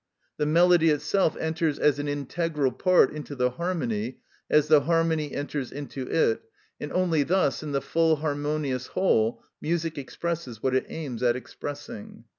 The melody itself enters as an integral part into the harmony, as the harmony enters into it, and only thus, in the full harmonious whole, music expresses what it aims at expressing.